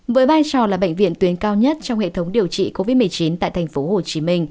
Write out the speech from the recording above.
với vai trò là bệnh viện tuyến cao nhất trong hệ thống điều trị covid một mươi chín tại tp hcm